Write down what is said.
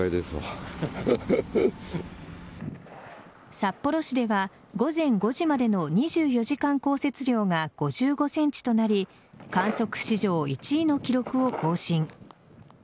札幌市では午前５時までの２４時間降雪量が５５ｃｍとなり観測史上１位の記録を更新。